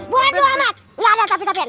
buat mu amat